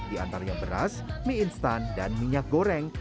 di antaranya beras mie instan dan minyak goreng